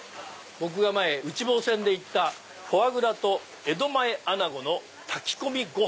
僕が前内房線で行ったフォアグラと江戸前穴子の炊き込みご飯！